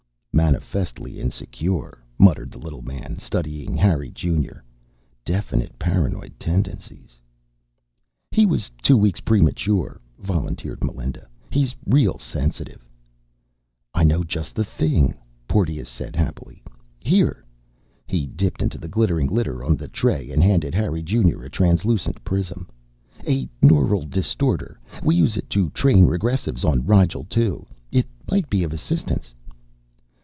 "Manifestly insecure," muttered the little man, studying Harry Junior. "Definite paranoid tendencies." "He was two weeks premature," volunteered Melinda. "He's real sensitive." "I know just the thing," Porteous said happily. "Here." He dipped into the glittering litter on the tray and handed Harry Junior a translucent prism. "A neural distorter. We use it to train regressives on Rigel Two. It might be of assistance."